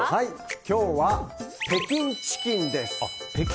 今日は北京チキンです。